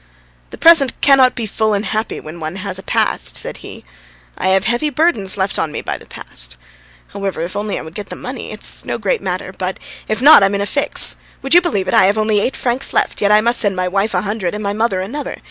"The present cannot be full and happy when one has a past," said he. "I have heavy burdens left on me by the past. However, if only I get the money, it's no great matter, but if not, I'm in a fix. Would you believe it, I have only eight francs left, yet I must send my wife a hundred and my mother another.